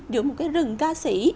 giữa một cái rừng ca sĩ